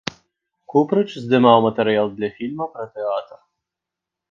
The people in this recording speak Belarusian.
Купрыч здымаў матэрыял для фільма пра тэатр.